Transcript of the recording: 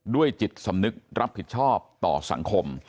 ด้วยจิตสำนึกรับผิดชอบต่อสังคม